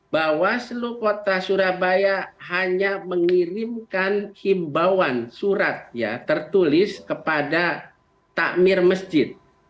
bawaslu kota surabaya hanya mengirimkan himbauan surat tertulis kepada takmir masjid